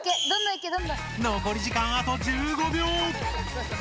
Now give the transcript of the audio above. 残り時間あと１５秒！